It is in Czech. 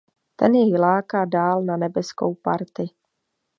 Ten jej láká dál na nebeskou party.